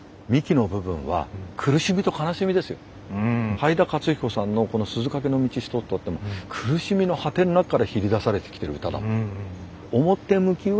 灰田勝彦さんのこの「鈴懸の径」一つ取っても苦しみの果ての中からひり出されてきている歌だと。